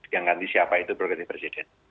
yang ganti siapa itu berganti presiden